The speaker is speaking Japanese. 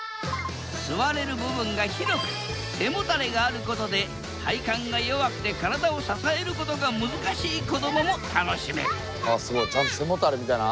座れる部分が広く背もたれがあることで体幹が弱くて体を支えることが難しい子どもも楽しめる。